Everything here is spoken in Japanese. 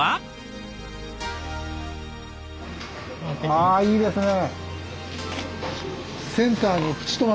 ああいいですね！